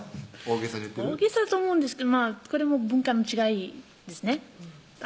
大げさと思うんですけどこれも文化の違いですね